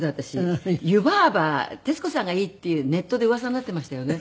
湯婆婆徹子さんがいいっていうネットでうわさになっていましたよね。